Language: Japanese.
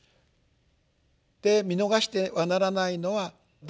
で見逃してはならないのは第三景。